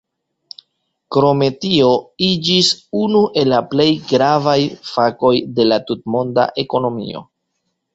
Krome tio iĝis unu el la plej gravaj fakoj de la tutmonda ekonomio.